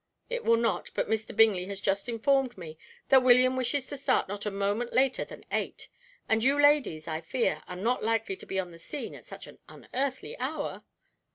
It will not; but Mr. Bingley has just informed me that William wishes to start not a moment later than eight, and you ladies, I fear, are not likely to be on the scene at such an unearthly hour?"